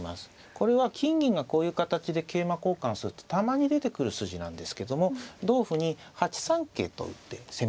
これは金銀がこういう形で桂馬交換するとたまに出てくる筋なんですけども同歩に８三桂と打って攻めるという筋があります。